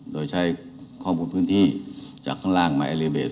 โดยใช้ข้อมูลพื้นที่จากข้างล่างมาเอเลเบส